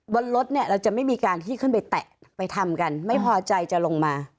บนรถเนี่ยเราจะไม่มีการที่ขึ้นไปแตะไปทำกันไม่พอใจจะลงมา